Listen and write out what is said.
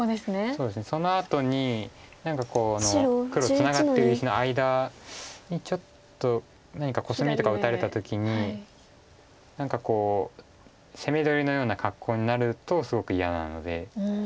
そうですねそのあとに何か黒ツナがってる石の間にちょっと何かコスミとか打たれた時に何かこう攻め取りのような格好になるとすごく嫌なので。